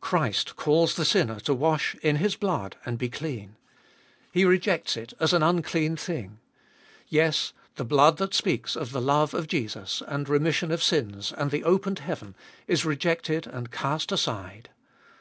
Christ calls the sinner to wash in His blood and be clean. He rejects it as an unclean thing. Yes, the blood that speaks of the love of Jesus, and remission of sins, and the opened heaven, is rejected and cast aside